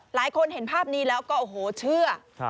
เห็นภาพนี้แล้วก็โอ้โหเชื่อ